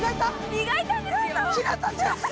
磨いたんですよ！